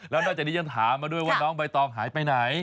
แล้วนอกจากนี้ยังถามมาด้วยว่าน้องใบตองหายไปไหน